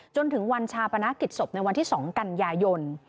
จนถึงวันชาปนกิจศพในวันที่๒กันยายน